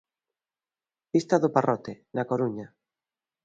Vista do Parrote, na Coruña.